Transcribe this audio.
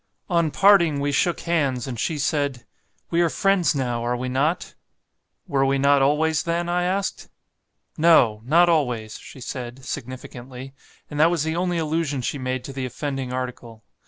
On parting we shook hands, and she said, 'We are friends now, are we not?' 'Were we not always, then?' I asked. 'No! not always,' she said, significantly; and that was the only allusion she made to the offending article.